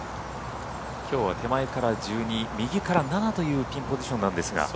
きょうは手前から１２、右から７というピンポジションなんですが。